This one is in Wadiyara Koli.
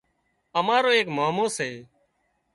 امارو ايڪ مامو سي